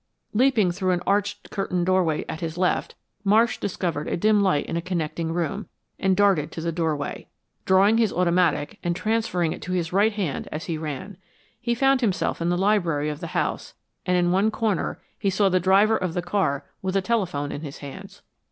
Leaping through an arched and curtained doorway at his left, Marsh discovered a dim light in a connecting room, and darted to the doorway, drawing his automatic and transferring it to his right hand as he ran. He found himself in the library of the house, and in one corner he saw the driver of the car with a telephone in his hands.